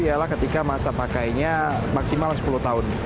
ialah ketika masa pakainya maksimal sepuluh tahun